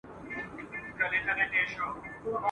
تیارې به تر ابده د دې غرونو په خوا نه وي ..